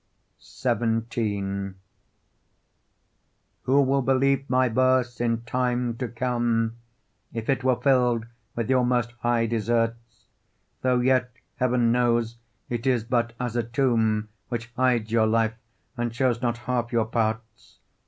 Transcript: XVII Who will believe my verse in time to come, If it were fill'd with your most high deserts? Though yet heaven knows it is but as a tomb Which hides your life, and shows not half your parts.